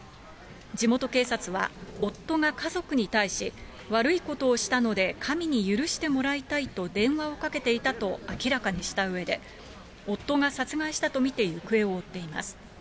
地元警察は夫が家族に対し、悪いことをしたので神に許してもらいたいと電話をかけていたと明らかにしたうえで、夫が殺害したと見て行方を追っています。